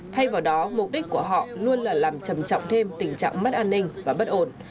thay vào đó mục đích của họ luôn là làm trầm trọng thêm tình trạng mất an ninh và bất ổn